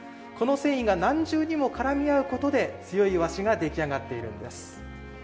この繊維が何重にも絡み合うことで強い和紙が出来上がっているんです。